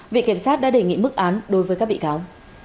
viện kiểm sát đã đề nghị mức án đối với các bị cáo